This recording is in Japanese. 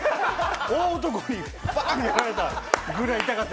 大男にばん！ってやられたぐらい痛かった。